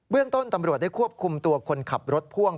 เรื่องต้นตำรวจได้ควบคุมตัวคนขับรถพ่วง